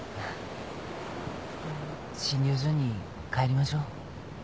診療所に帰りましょう。